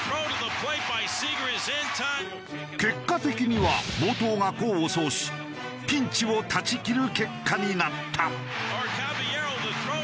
結果的には暴投が功を奏しピンチを断ち切る結果になった。